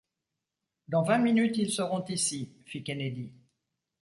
Dans vingt minutes ils seront ici, fit Kennedy.